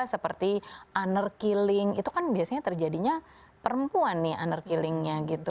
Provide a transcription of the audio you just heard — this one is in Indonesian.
seperti unner killing itu kan biasanya terjadinya perempuan nih unner killingnya gitu